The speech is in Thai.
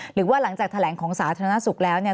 หรือว่าหลังจากแถลงของสาธารณสุขแล้วเนี่ย